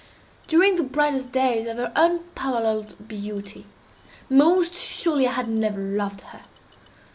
During the brightest days of her unparalleled beauty, most surely I had never loved her.